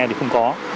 thì không có